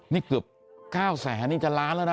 นี่เกือบ๙แสนนี่จะล้านแล้วนะ